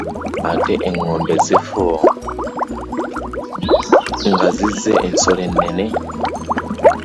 Ate eŋŋombe agifuuwa ng’azize ensolo ennene.